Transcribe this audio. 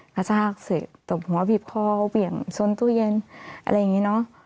กระชากเสร็จตบหัวบีบคอเบี่ยงชนตู้เย็นอะไรอย่างนี้เนอะ